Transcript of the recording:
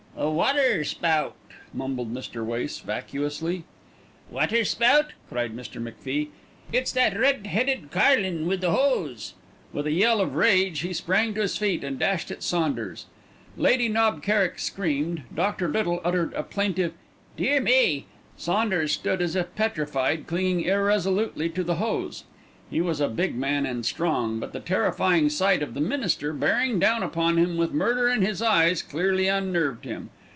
"A water spout!" mumbled Mr. Wace vacuously. "Water spout!" cried Mr. McFie. "It's that red headed carlin wi' the hose." With a yell of rage he sprang to his feet and dashed at Saunders. Lady Knob Kerrick screamed, Dr. Little uttered a plaintive "Dear me!" Saunders stood as if petrified, clinging irresolutely to the hose. He was a big man and strong, but the terrifying sight of the minister bearing down upon him with murder in his eyes clearly unnerved him.